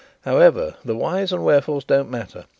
However, the whys and the wherefores don't matter.